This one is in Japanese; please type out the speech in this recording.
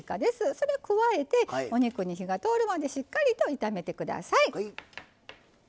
それを加えてお肉に火が通るまでしっかり炒めてください。